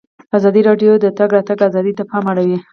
ازادي راډیو د د تګ راتګ ازادي ته پام اړولی.